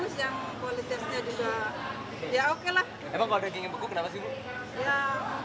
saya kan maunya yang bagus